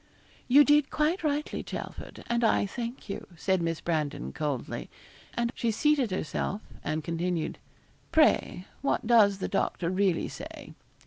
'You did quite rightly, Chelford, and I thank you,' said Miss Brandon, coldly; and she seated herself, and continued 'Pray, what does the doctor really say?'